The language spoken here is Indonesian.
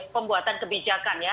pembuatan kebijakan ya